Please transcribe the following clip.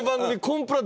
コンプラ。